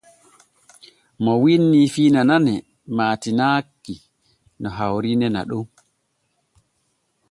MO wiinnii fiina nane maatinaki no hawriine naɗon.